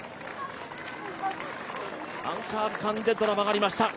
アンカー区間でドラマがありました。